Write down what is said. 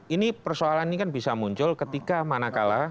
ini persoalan ini kan bisa muncul ketika mana kala